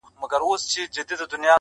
o بې ډوډۍ ښه، بې کوره نه٫